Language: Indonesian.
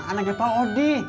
anaknya pak odi